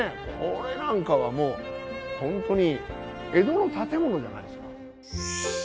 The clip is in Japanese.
これなんかはもうホントに江戸の建物じゃないですか。